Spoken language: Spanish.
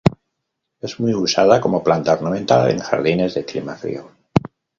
Es muy usada como planta ornamental en jardines de clima frío.